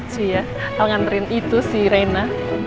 lucu ya alangan rin itu si rena